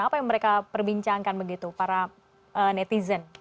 apa yang mereka perbincangkan begitu para netizen